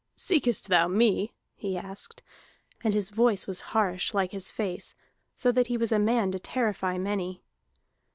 "Seekest thou me?" he asked. And his voice was harsh, like his face, so that he was a man to terrify many.